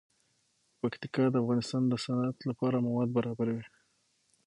پکتیکا د افغانستان د صنعت لپاره مواد برابروي.